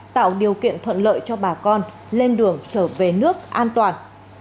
tạo điều kiện thuận lợi cho bà con lên đường trở về nước an toàn